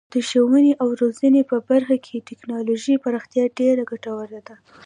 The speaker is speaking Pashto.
د ښوونې او روزنې په برخه کې د تکنالوژۍ پراختیا ډیره ګټوره ده.